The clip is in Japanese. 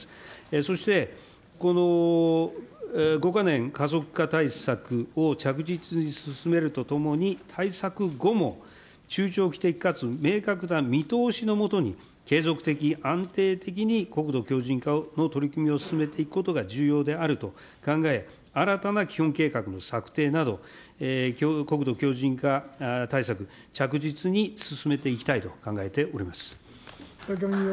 そしてこの５か年加速化対策を着実に進めるとともに、対策後も中長期的かつ明確な見通しの下に、継続的、安定的に国土強じん化の取り組みを進めていくことが重要であると考え、新たな基本計画の策定など、国土強じん化対策、着実に進めていきたいと考えております。